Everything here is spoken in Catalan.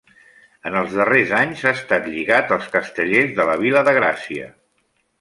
En els darrers anys ha estat lligat als Castellers de la Vila de Gràcia.